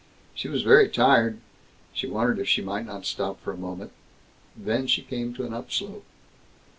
She was very tired. She wondered if she might not stop for a moment. Then she came to an upslope.